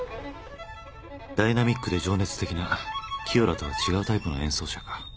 ダイナミックで情熱的な清良とは違うタイプの演奏者か